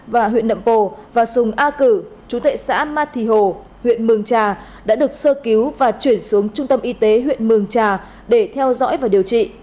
và huyện nậm pồ và sùng a cử chú tệ xã ma thì hồ huyện mường trà đã được sơ cứu và chuyển xuống trung tâm y tế huyện mường trà để theo dõi và điều trị